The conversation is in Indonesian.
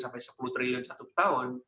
sampai sepuluh triliun satu tahun